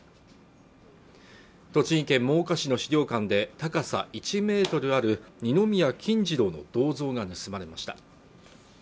栃木県真岡市の資料館で高さ１メートルある二宮金次郎の銅像が盗まれました